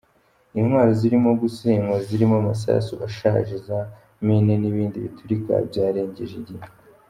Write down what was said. Intwaro zirimo gusenywa zirimo amasasu ashaje, za mine n’ibindi biturika byarengeje igihe.